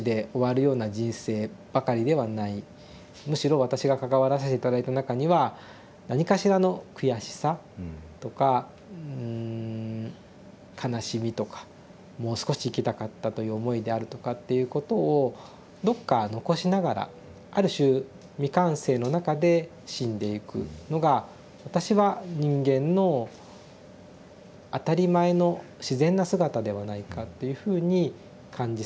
むしろ私が関わらせて頂いた中には何かしらの悔しさとかうん悲しみとかもう少し生きたかったという思いであるとかっていうことをどっか残しながらある種未完成の中で死んでいくのが私は人間の当たり前の自然な姿ではないかっていうふうに感じさえします。